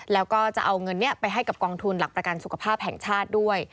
แล้วก็จะเอาเงินนี้ไปให้กับกองทุนหลักประกันสุขภาพแห่งชาติด้วย